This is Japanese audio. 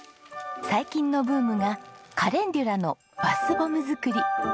最近のブームがカレンデュラのバスボム作り。